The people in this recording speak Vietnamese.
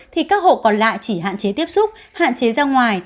thì các hộ còn lại chỉ hạn chế tiếp xúc hạn chế ra ngoài